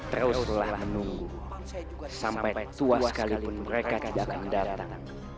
teruslah menunggu sampai tua sekalipun mereka tidak akan datang